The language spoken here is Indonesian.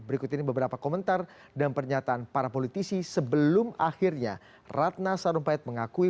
berikut ini beberapa komentar dan pernyataan para politisi sebelum akhirnya ratna sarumpait mengakui